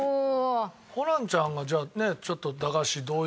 ホランちゃんがじゃあちょっと駄菓子どういう。